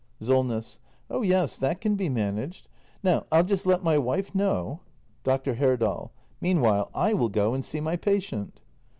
SOLNESS. Oh yes, that can be managed. Now I'll just let my wife know Dr. Herdal. Meanwhile I will go and see my patient.